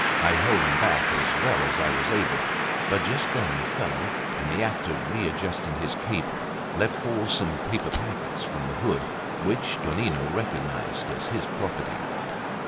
I held him back as well as I was able; but just then the fellow, in the act of readjusting his cape, let fall some paper packets from the hood, which Donnino recognised as his property.